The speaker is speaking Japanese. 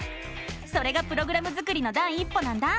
それがプログラム作りの第一歩なんだ！